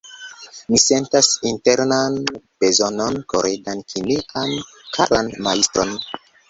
Mi sentas internan bezonon kore danki nian karan Majstron.